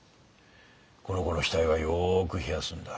この子の額はよく冷やすんだ。